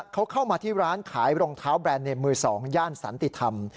เขาเข้ามาที่ร้านขายรองเท้าแบรนด์เนมมือ๒ย่านสันติธรรม